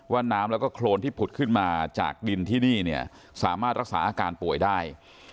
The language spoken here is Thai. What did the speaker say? น้ำแล้วก็โครนที่ผุดขึ้นมาจากดินที่นี่เนี่ยสามารถรักษาอาการป่วยได้